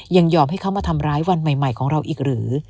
ยอมให้เขามาทำร้ายวันใหม่ของเราอีกหรือ